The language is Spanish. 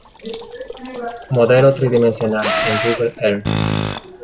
Modelo Tridimensional en Google Earth